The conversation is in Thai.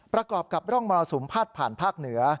ประกอบกับร่องมรสุมพาดผ่านภาคเหนือ